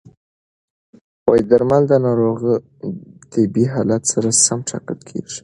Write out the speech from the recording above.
درمل د ناروغ طبي حالت سره سم ټاکل کېږي.